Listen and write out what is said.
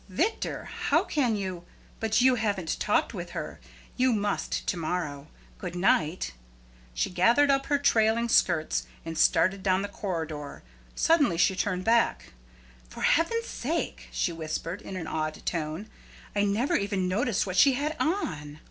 "Victor! How can you? But you haven't talked with her. You must to morrow. Good night." She gathered up her trailing skirts and started down the corridor. Suddenly she turned back. "For Heaven's sake!" she whispered, in an awed tone, "I never even noticed what she had on!"